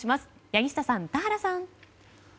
柳下さん、田原さん。